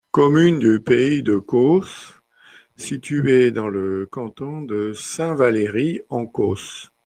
Commune du pays de Caux située dans le canton de Saint-Valery-en-Caux.